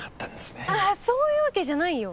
あっそういうわけじゃないよ。